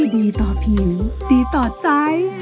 ดีต่อผิวดีต่อใจ